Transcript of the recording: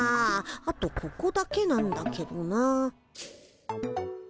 あとここだけなんだけどな。